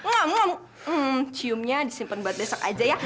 hmm ciumnya disimpan buat besok aja ya